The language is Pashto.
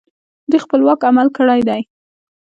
دوی خپلواک عمل کړی دی